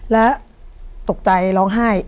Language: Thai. แล้วตกใจร้องไห้